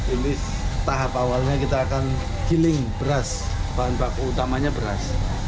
ini tahap awalnya kita akan giling beras bahan baku utamanya beras